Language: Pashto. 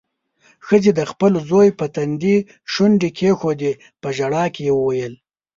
ښځې د خپل زوی پر تندي شونډې کېښودې. په ژړا کې يې وويل: